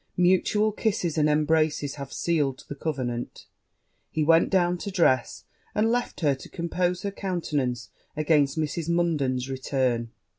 Mutual kisses and embraces having sealed the covenant, he went down to dress, and left her to compose her countenance against Mrs. Munden's return.